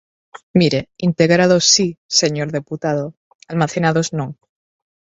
Mire, integrados si, señor deputado, almacenados non.